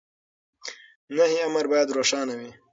نهي امر بايد روښانه وي.